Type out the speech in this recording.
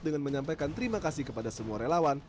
dengan menyampaikan terima kasih kepada semua relawan